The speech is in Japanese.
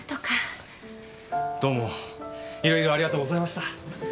どうも色々ありがとうございました。